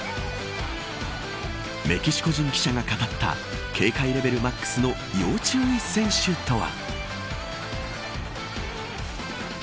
メキシコ人記者が語った警戒レベルマックスの要注意選手とは。